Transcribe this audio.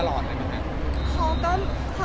โอเคค่ะ